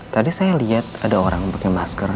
tadi saya liat ada orang pake masker